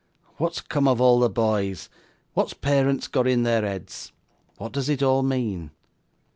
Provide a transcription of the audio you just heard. What's come of all the boys? what's parents got in their heads? what does it all mean?